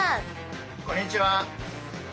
こんにちは。